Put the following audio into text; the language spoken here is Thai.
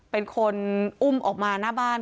เป็นคนอุ้มออกมาหน้าบ้าน